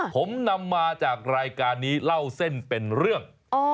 ผมนำมาจากรายการนี้เล่าเส้นเป็นเรื่อง